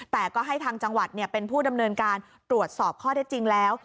แต่ก็ให้ทางจังหวัดเป็นผู้ดำเนินการตรวจสอบข้อได้จริงแล้ว